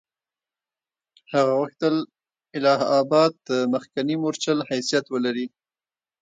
هغه غوښتل اله آباد د مخکني مورچل حیثیت ولري.